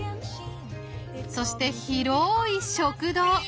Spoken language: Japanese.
そして広い食堂。